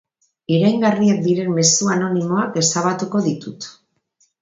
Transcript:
Iraingarriak diren mezu anonimoak ezabatuko ditut.